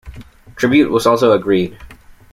Tribute was also agreed.